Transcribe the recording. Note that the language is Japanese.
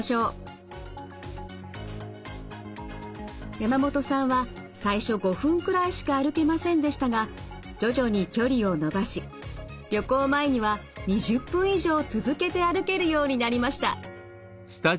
山本さんは最初５分くらいしか歩けませんでしたが徐々に距離を伸ばし旅行前には２０分以上続けて歩けるようになりました。